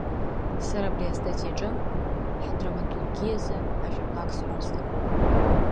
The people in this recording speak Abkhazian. Сара абри астатиаҿы ҳдраматургиазы ажәақәак сҳәар сҭахуп.